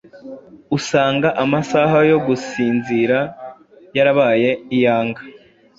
usanga amasaha yo gusinzira yarabaye iyanga